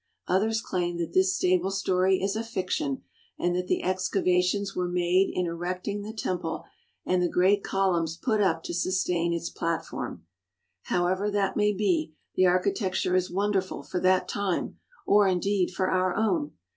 Others claim that this stable story is a fiction, and that the excavations were made in erecting the Temple and the great columns put up to sustain its platform. However that may be, the architecture is wonderful for that time, or, indeed, for our own.